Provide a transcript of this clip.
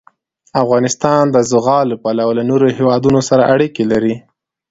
افغانستان د زغال له پلوه له نورو هېوادونو سره اړیکې لري.